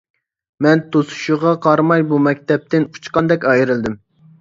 مەن توسۇشىغا قارىماي بۇ مەكتەپتىن ئۇچقاندەك ئايرىلدىم.